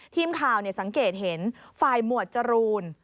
ทีมข่าวสังเกตเห็นฝ่ายหมวดจรูน